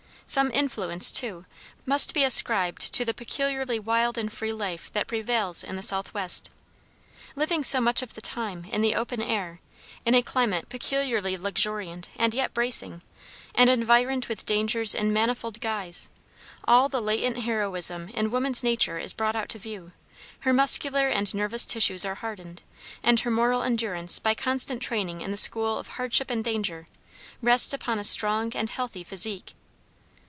Some influence, too, must be ascribed to the peculiarly wild and free life that prevails in the southwest. Living so much of the time in the open air in a climate peculiarly luxuriant and yet bracing, and environed with dangers in manifold guise, all the latent heroism in woman's nature is brought out to view, her muscular and nervous tissues are hardened, and her moral endurance by constant training in the school of hardship and danger, rests upon a strong and healthy physique.